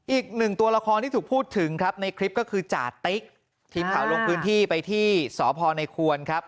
อีกหนึ่งตัวละครที่ถูกพูดถึงครับในคลิปก็คือจาติ๊กทีมข่าวลงพื้นที่ไปที่สพในควรครับ